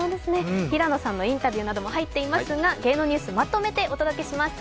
平野さんのインタビューなども入っていますが芸能ニュースまとめてお届けします。